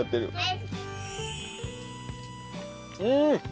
うん！